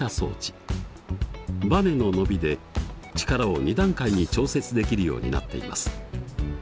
バネの伸びで力を２段階に調節できるようになっています。